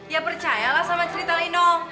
ya percayalah sama cerita linong